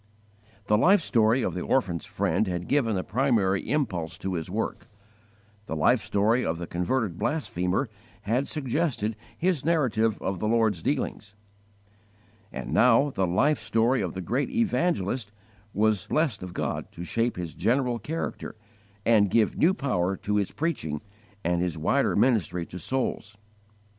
The life story of the orphan's friend had given the primary impulse to his work; the life story of the converted blasphemer had suggested his narrative of the Lord's dealings; and now the life story of the great evangelist was blessed of God to shape his general character and give new power to his preaching and his wider ministry to souls.